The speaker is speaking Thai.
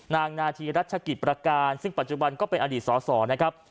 นาธีรัชกิจประการซึ่งปัจจุบันก็เป็นอดีตสอสอนะครับ